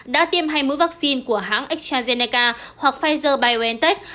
đã tiêm hay mũi vaccine của hãng astrazeneca hoặc pfizer biontech